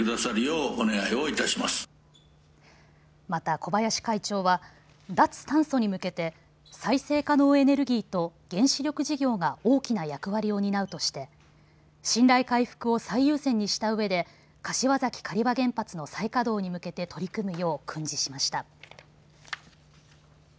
また小林会長は脱炭素に向けて再生可能エネルギーと原子力事業が大きな役割を担うとして信頼回復を最優先にしたうえで柏崎刈羽原発の再稼働に向けて取り組むよう訓示しました。